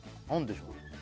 何でしょうね